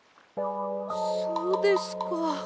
そうですか。